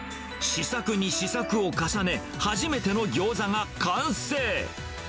試作に試作を重ね、初めてのギョーザが完成。